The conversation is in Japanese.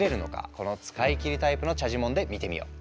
この使い切りタイプのチャジモンで見てみよう。